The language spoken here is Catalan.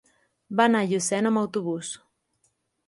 Va anar a Llucena amb autobús.